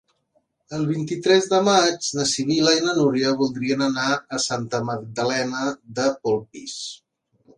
El vint-i-tres de maig na Sibil·la i na Núria voldrien anar a Santa Magdalena de Polpís.